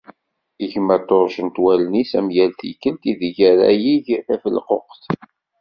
Gma ṭṭuṛṛcent wallen-is am yall tikkelt i deg ara yeg tafelquqt.